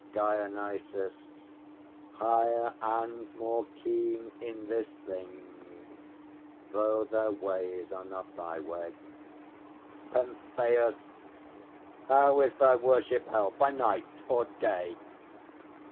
DIONYSUS. Higher and more keen In this thing, though their ways are not thy way. PENTHEUS. How is thy worship held, by night or day?